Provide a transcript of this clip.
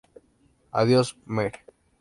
Adiós, Mr.